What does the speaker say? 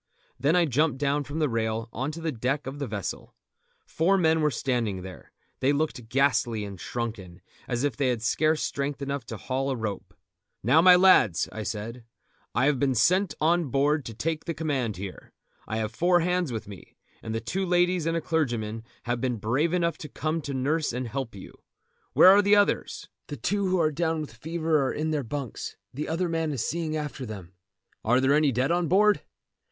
Then I jumped down from the rail on to the deck of the vessel. Four men were standing there. They looked ghastly and shrunken, as if they had scarce strength enough to haul at a rope. "Now, my lads," I said, "I have been sent on board to take the command here. I have four hands with me, and two ladies and a clergyman have been brave enough to come to nurse and help you. Where are the others?" "The two who are down with the fever are in their bunks; the other man is seeing after them." "Are there any dead on board?"